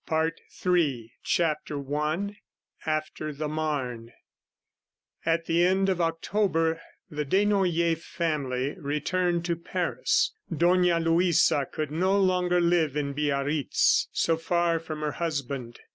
PART III CHAPTER I AFTER THE MARNE At the end of October, the Desnoyers family returned to Paris. Dona Luisa could no longer live in Biarritz, so far from her husband.